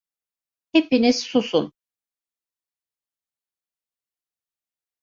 Hepiniz susun!